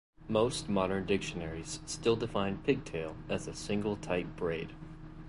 Most modern dictionaries still define "pigtail" as a single tight braid.